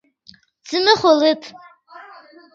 څیمی خوڑیت